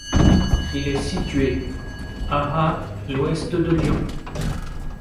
Il est situé à à l'ouest de Lyon.